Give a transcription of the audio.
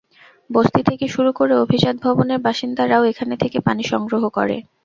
বস্তি থেকে শুরু করে অভিজাত ভবনের বাসিন্দারাও এখানে থেকে পানি সংগ্রহ করে।